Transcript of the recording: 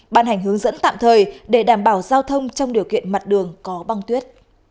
ban hành hướng dẫn tạm thời để đảm bảo giao thông trong điều kiện mặt đường có băng tuyết